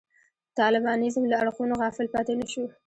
د طالبانیزم له اړخونو غافل پاتې نه شو.